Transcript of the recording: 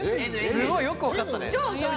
すごい、よくわかったね。